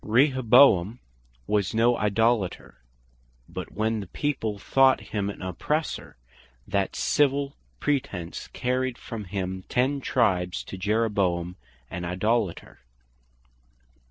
Rehoboam was no Idolater; but when the people thought him an Oppressor; that Civil pretence carried from him ten Tribes to Jeroboam an Idolater.